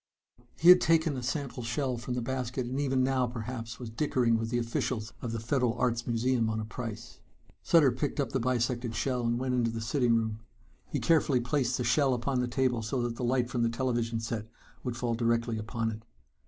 He had taken a sample shell from the basket and even now perhaps was dickering with the officials of the Federal Arts Museum on a price. Sutter picked up the bisected shell and went into the sitting room. He carefully placed the shell upon the table so that the light from the television set would fall directly upon it.